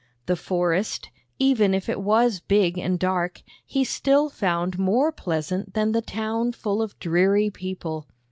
The forest, even if it was big and dark, he still found more pleasant than the town full of dreary people.